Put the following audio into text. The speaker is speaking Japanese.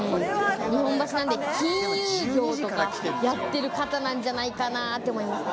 日本橋なんで、金融業とかやってる方なんじゃないかなって思います。